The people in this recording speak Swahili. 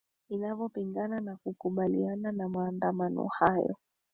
inavyopingana na kukubaliana na maandamano hayo